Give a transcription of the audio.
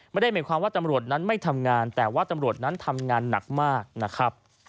ไม่ได้หมายความว่าตำรวจนั้นไม่ทำงานแต่ว่าตำรวจนั้นทำงานหนักมากนะครับ